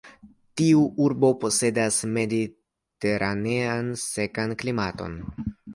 Tiu urbo posedas mediteranean sekan klimaton.